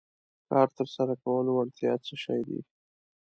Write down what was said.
کار تر سره کولو وړتیا څه شی دی.